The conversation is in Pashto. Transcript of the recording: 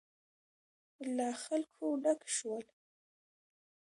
له خلکو ډک شول.